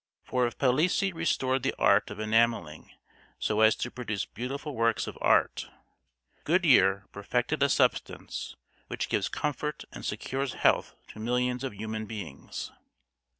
For if Palissy restored the art of enamelling so as to produce beautiful works of art, Goodyear perfected a substance which gives comfort and secures health to millions of human beings.